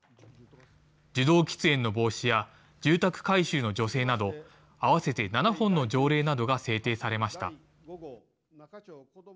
受動喫煙の防止や住宅改修の助成など、合わせて７本の条例などが制定されました。